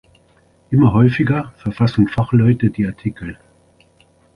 Immer häufiger verfassen Fachleute die Artikel.